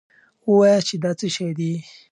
وواياست چې دا څه شی دی.